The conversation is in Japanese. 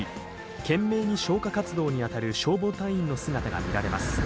懸命に消火活動に当たる消防隊員の姿が見られます。